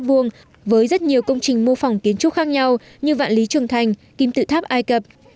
với rất nhiều công trình mô phỏng kiến trúc khác nhau như vạn lý trường thành kim tự tháp ai cập